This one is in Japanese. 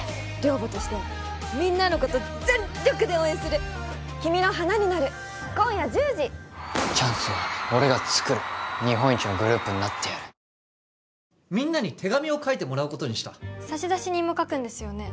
寮母としてみんなのこと全力で応援するチャンスは俺が作る日本一のグループになってやるみんなに手紙を書いてもらうことにした差出人も書くんですよね？